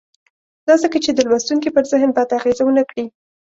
دا ځکه چې د لوستونکي پر ذهن بده اغېزه ونه کړي.